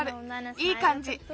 いいかんじ。